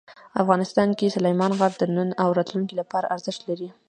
افغانستان کې سلیمان غر د نن او راتلونکي لپاره ارزښت لري.